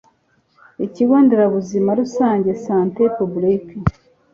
ikigo nderabuzima rusange santé publique